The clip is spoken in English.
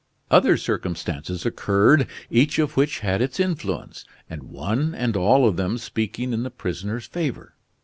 Other circumstances occurred, each of which had its influence, and one and all of them speaking in the prisoner's favor.